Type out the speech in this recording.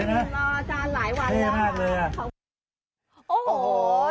โอ้ยครับพอดด้วย